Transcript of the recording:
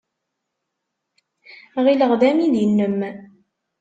Ɣileɣ d amidi-nnem.